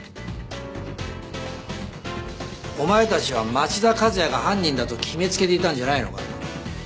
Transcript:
お前たちは町田和也が犯人だと決めつけていたんじゃないのか？